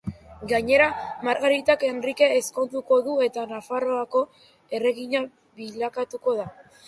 Gainera, Margaritak Henrike ezkonduko du eta Nafarroako erregina bilakatuko da.